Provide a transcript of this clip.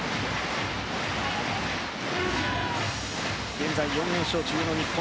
現在４連勝中の日本。